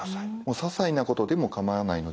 ささいなことでも構わないので。